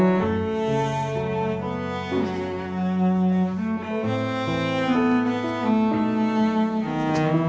selamat malam mas